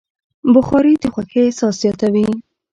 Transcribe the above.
بخاري د خوښۍ احساس زیاتوي.